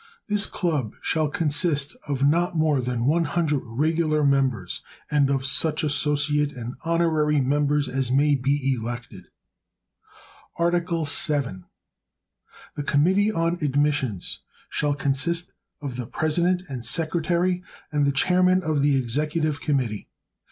This Club shall consist of not more than one hundred regular members, and of such associate and honorary members as may be elected. Article VII. The Committee on Admissions shall consist of the President and Secretary and the Chairman of the Executive Committee.